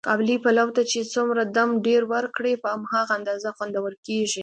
قابلي پلو ته چې څومره دم ډېر ور کړې، په هماغه اندازه خوندور کېږي.